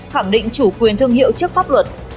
khẳng định chủ quyền thương hiệu trước pháp luật